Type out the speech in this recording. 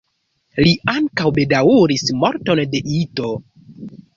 Li ankaŭ bedaŭris morton de Ito.